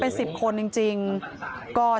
ช่องบ้านต้องช่วยแจ้งเจ้าหน้าที่เพราะว่าโดนฟันแผลเวิกวะค่ะ